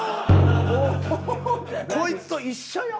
こいつと一緒よ。